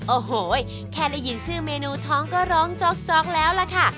โอ้โหแค่ได้ยินชื่อเมนูท้องก็ร้องจ๊อกแล้วล่ะค่ะ